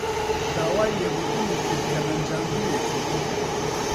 داوای لێبوردنی کرد کە ڕەنجاندوویەتی.